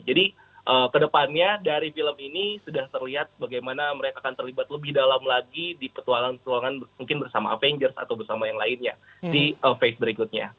jadi kedepannya dari film ini sudah terlihat bagaimana mereka akan terlibat lebih dalam lagi di petualangan petualangan mungkin bersama avengers atau bersama yang lainnya di phase berikutnya